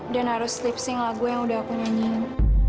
dan harus lip sync lagu yang udah aku nyanyiin